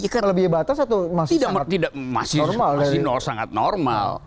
melebihi batas atau masih sangat normal